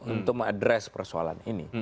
untuk mengadres persoalan ini